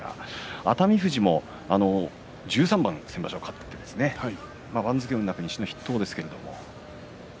熱海富士も１３番先場所、勝って番付は十両の筆頭です。